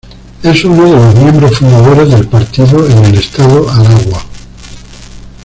Es uno de los miembros fundadores del partido en el estado Aragua.